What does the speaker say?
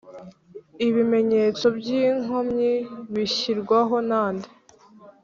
ibimenyetso by’inkomyi bishyirwaho nande